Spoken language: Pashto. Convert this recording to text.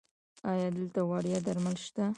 ایا دلته وړیا درمل شته؟